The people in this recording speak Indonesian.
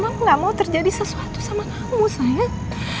aku gak mau terjadi sesuatu sama kamu sayang